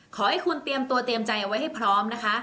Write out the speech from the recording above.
ขอให้คุณเตรียมตัวเตรียมใจเอาไว้ให้พร้อมนะคะ